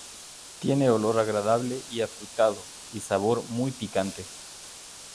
Tiene olor agradable y afrutado, y sabor muy picante.